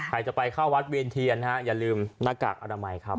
ใครจะไปเข้าวัดเวียนเทียนฮะอย่าลืมหน้ากากอนามัยครับ